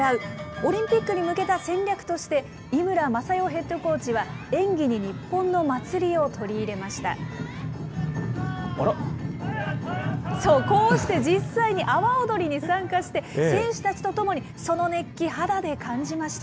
オリンピックに向けた戦略として、井村雅代ヘッドコーチは、演技に日本の祭りを取り入れました。